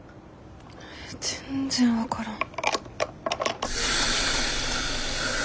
全然分からん。